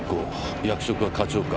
役職は課長か。